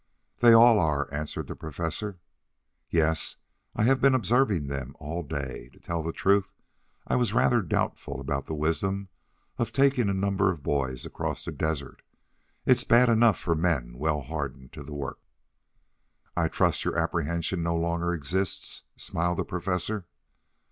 "They all are," answered the Professor. "Yes, I have been observing them all day. To tell the truth I was rather doubtful about the wisdom of taking a number of boys across the desert. It's bad enough for men well hardened to the work." "I trust your apprehension no longer exists," smiled the Professor.